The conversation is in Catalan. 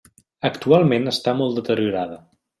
Actualment està molt deteriorada.